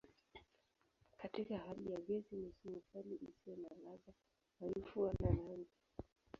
Katika hali ya gesi ni sumu kali isiyo na ladha, harufu wala rangi.